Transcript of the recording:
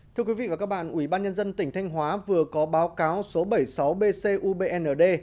thưa quý vị và các bạn ủy ban nhân dân tỉnh thanh hóa vừa có báo cáo số bảy mươi sáu bcubnd